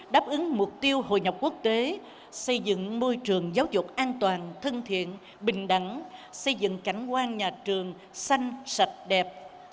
đáp ứng mục tiêu hội nhập quốc tế xây dựng môi trường giáo dục an toàn thân thiện bình đẳng xây dựng cảnh quan nhà trường xanh sạch đẹp